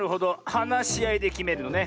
はなしあいできめるのね。